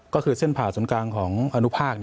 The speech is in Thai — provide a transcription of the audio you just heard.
ก็คือเส้นผ่าศูนย์กลางของอนุภาค